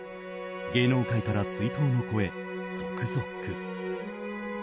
芸能界から追悼の声続々。